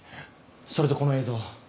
それとこの映像。